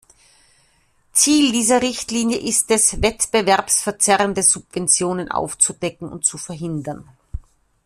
Ziel dieser Richtlinie ist es, wettbewerbsverzerrende Subventionen aufzudecken und zu verhindern.